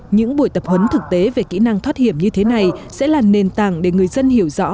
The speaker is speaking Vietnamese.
những buổi tập huấn thực tế về kỹ năng thoát hiểm như thế này sẽ là nền tảng để người dân hiểu rõ